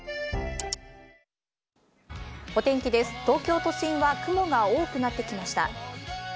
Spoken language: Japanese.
東京都心は雲が多くなってきました。